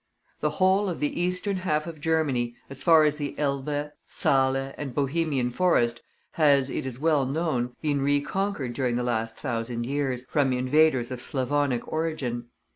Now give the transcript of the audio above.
The whole of the eastern half of Germany, as far as the Elbe, Saale, and Bohemian Forest, has, it is well known, been reconquered during the last thousand years, from invaders of Slavonic origin.